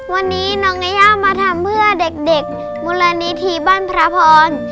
วันนี้น้องยายามาทำเพื่อเด็กมูลนิธิบ้านพระพร